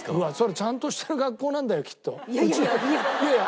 ちゃんとしている学校なんだよきっと。